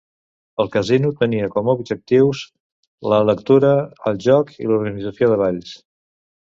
El Casino tenia com a objectius la lectura, el joc i l'organització de balls.